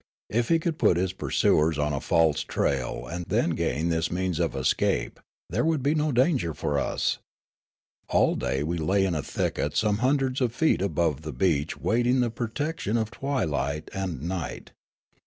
If he could put his pursuers on a false trail and then gain this means of escape, there would be no danger for us. All day we lay in a thicket some hundreds of feet above the beach waiting the protection of twilight and night.